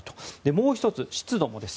もう１つ、湿度です。